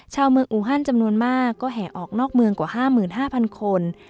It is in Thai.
ชาวเมืองอูฮันจำนวนมากก็แห่ออกนอกเมืองกว่า๕๕๐๐คน